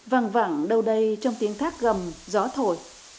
vẳng vẳng đâu đây trong tiếng thác gầm gió thổi